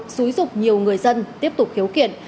xúi dục nhiều người dân tiếp tục khiếu kiện